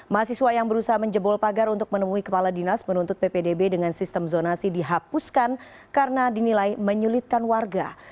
mahasiswa yang berusaha menjebol pagar untuk menemui kepala dinas menuntut ppdb dengan sistem zonasi dihapuskan karena dinilai menyulitkan warga